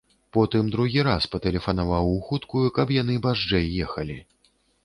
Потым другі раз патэлефанаваў у хуткую, каб яны барзджэй ехалі.